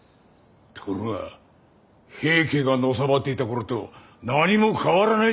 ところが平家がのさばっていた頃と何も変わらないじゃねえか。